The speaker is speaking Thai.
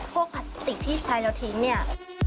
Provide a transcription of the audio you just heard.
พวกพลาสติกที่ชาเลาทิ้งเนี่ย